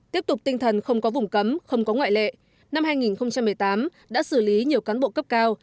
tiếp tục tinh thần không có vùng cấm không có ngoại lệ năm hai nghìn một mươi tám đã xử lý nhiều cán bộ cấp cao